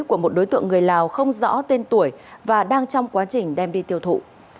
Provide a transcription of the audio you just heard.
của một đối tượng người lào không rõ tên tuổi và đang trong quá trình đem đi tiêu thụ